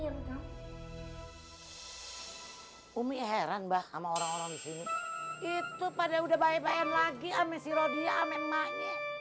itu pada udah bayi bayi lagi sama si rodia sama emaknya